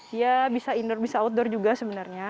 dia bisa indoor bisa outdoor juga sebenarnya